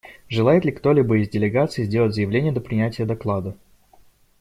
Желает ли кто-либо из делегаций сделать заявление до принятия доклада?